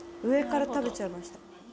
上から食べちゃいました。